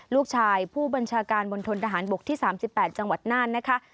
ลูกชายผู้บัญชาการมณฑนทหารบกที่๓๘จังหวัดน่านนะคะ